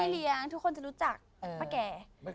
เลี้ยงทุกคนจะรู้จักป้าแก่